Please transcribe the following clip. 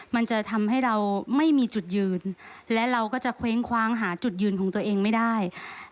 มันจะทำให้เราไม่มีจุดยืนและเราก็จะเคว้งคว้างหาจุดยืนของตัวเองไม่ได้